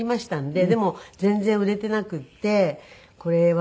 でも全然売れていなくてこれは。